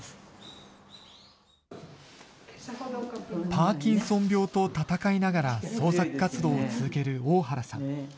パーキンソン病と闘いながら創作活動を続ける大原さん。